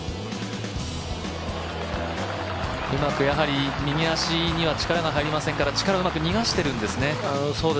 やはり右足には力が入りませんからうまく逃がしているんですね。